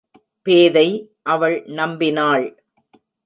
பேதை அவள் நம்பினாள்.